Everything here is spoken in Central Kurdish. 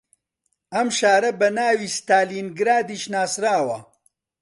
ئەم شارە بە ناوی ستالینگرادیش ناسراوە